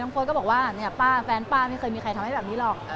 น้องโฟร์ตก็บอกว่าแฟนป้าไม่เคยมีใครทำให้แบบนี้หรอก